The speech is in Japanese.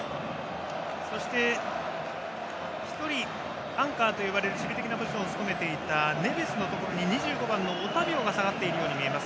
そして、１人アンカーと呼ばれる守備的なポジションを務めていたネベスのところにオタビオが下がっているように見えます。